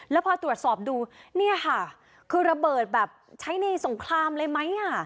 แล้วพอตรวจสอบดูเนี่ยค่ะคือระเบิดแบบใช้ในสงครามเลยไหมอ่ะ